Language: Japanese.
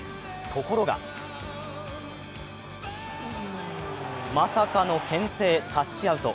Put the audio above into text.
ところが、まさかのけん制タッチアウト。